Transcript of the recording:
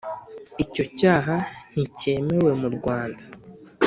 icyo cyaha ntikemewe mu Rwanda